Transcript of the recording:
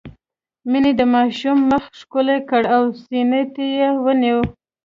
مينې د ماشوم مخ ښکل کړ او سينې ته يې ونيوه.